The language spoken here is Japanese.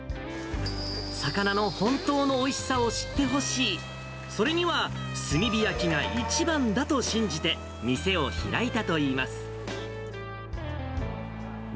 魚の本当のおいしさを知ってほしい、それには炭火焼きが一番だと信じて店を開いたといいます。